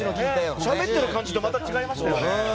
しゃべってる感じとまた違いましたよね。